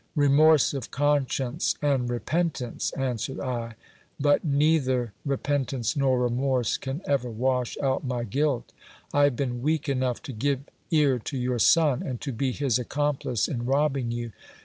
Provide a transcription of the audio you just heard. Remorse of conscience and repentance, answered I ; but neither repentance nor remorse can ever wash out my guilt. I have been weak enough to give ear to your son, and to be his accomplice in robbing you.